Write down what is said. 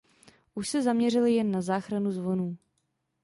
Už se zaměřili jen na záchranu zvonů.